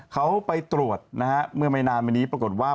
เขาไปตรวจนะฮะเมื่อไม่นานมานี้ปรากฏว่า